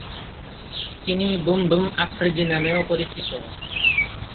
তিনি "boom boom Afridi" নামেও পরিচিত।